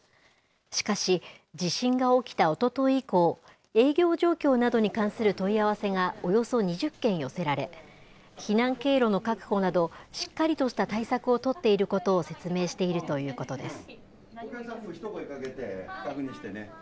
しかし、地震が起きたおととい以降、営業状況などに関する問い合わせがおよそ２０件寄せられ、避難経路の確保など、しっかりとした対策を取っていることを説明しているということです。